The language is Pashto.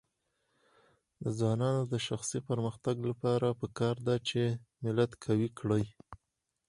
د ځوانانو د شخصي پرمختګ لپاره پکار ده چې ملت قوي کړي.